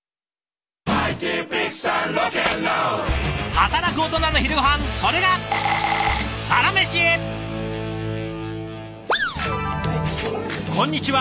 働くオトナの昼ごはんそれがこんにちは。